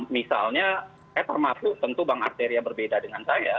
misalnya saya termasuk tentu bang arteria berbeda dengan saya